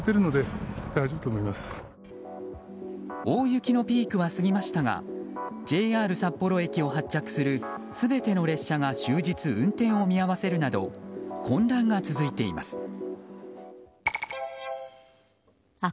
大雪のピークは過ぎましたがＪＲ札幌駅を発着する全ての列車が終日運転を見合わせるなど混乱が続いています。